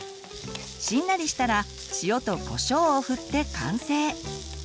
しんなりしたら塩とこしょうをふって完成。